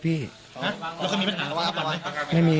หมายถึงว่าใครตัดหน้ารถเนี่ย